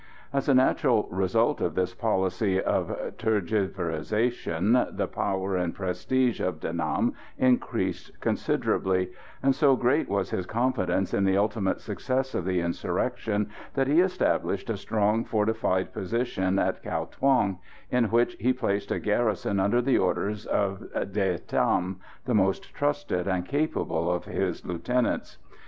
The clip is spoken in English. As a natural result of this policy of tergiversation, the power and prestige of De Nam increased considerably; and so great was his confidence in the ultimate success of the insurrection, that he established a strongly fortified position at Cao Thuong, in which he placed a garrison under the orders of De Tam, the most trusted and capable of his lieutenants.